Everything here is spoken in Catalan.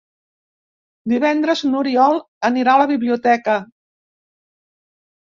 Divendres n'Oriol anirà a la biblioteca.